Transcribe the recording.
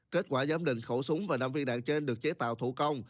kết quả giám định khẩu súng và năm viên đạn trên được chế tạo thủ công